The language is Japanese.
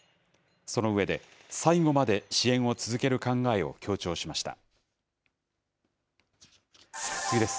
その上で、最後まで支援を続ける考えを強調しました。